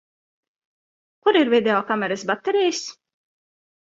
Kur ir videokameras baterijas?